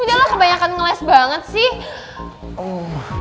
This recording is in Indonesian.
udah lah kebanyakan ngeles banget sih